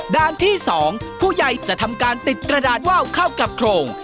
ด้านที่๒ผู้ใหญ่จะทำการติดกระดาษว่าวเข้ากับโครง